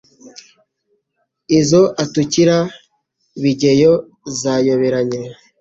Izo atukira Bigeyo zayoberanye.